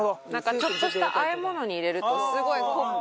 ちょっとした和え物に入れるとすごいコクが出る。